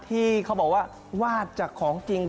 ที่เขาบอกว่าวาดจากของจริง